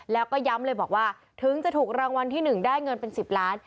แล้วก็ย้ำเลยบอกว่าถึงจะถูกรางวัลที่๑ได้เงินเป็น๑๐ล้าน